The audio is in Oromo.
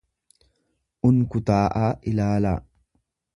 unkutaa'aa ilaalaa.